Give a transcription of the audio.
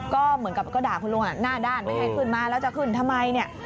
ก็ด่าลุงหน้าด้านไม่ให้ขึ้นมาแล้วจะขึ้นทำไม